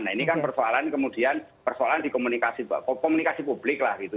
nah ini kan persoalan di komunikasi publik lah gitu